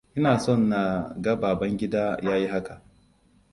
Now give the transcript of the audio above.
Ina son na ga Babangida ya yi haka.